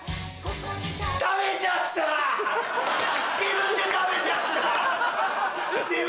自分で食べちゃった！